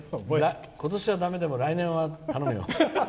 今年はだめでも来年は頼むよ。